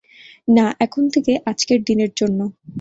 না, এখন থেকে আজকের দিনের জন্য।